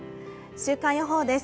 週間予報です。